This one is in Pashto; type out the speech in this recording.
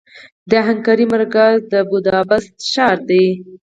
د هنګري مرکز د بوداپست ښار دې.